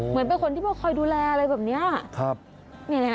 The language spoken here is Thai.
เหมือนเป็นคนที่มาคอยดูแลอะไรแบบนี้